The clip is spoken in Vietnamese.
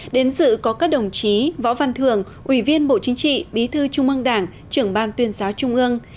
đến sự có các đồng chí võ văn thường ủy viên bộ chính trị bí thư trung ương đảng trưởng ban tuyên giáo trung ương